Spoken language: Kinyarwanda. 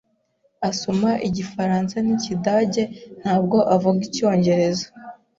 Asoma Igifaransa n'Ikidage, ntabwo avuga Icyongereza.